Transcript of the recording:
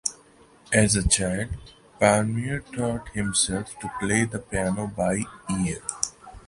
As a child, Palmieri taught himself to play the piano by ear.